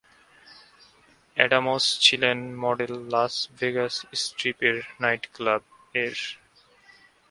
Adams ছিলেন model Las Vegas strip এর nightclub এর।